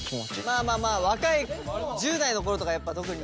まあまあまあ若い１０代の頃とかやっぱ特にね。